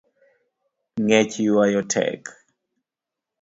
Ngech ywayo tek